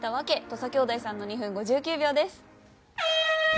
土佐兄弟さんの２分５９秒です。